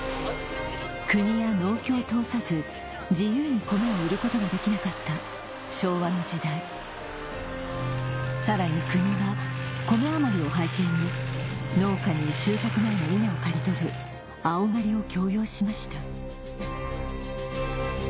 国や農協を通さず自由にコメを売ることができなかった昭和の時代さらに国はコメ余りを背景に農家に収穫前の稲を刈り取る青刈りを強要しました